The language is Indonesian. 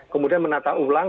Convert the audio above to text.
kemudian menata uang